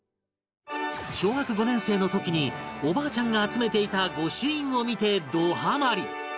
小学５年生の時におばあちゃんが集めていた御朱印を見てどハマり！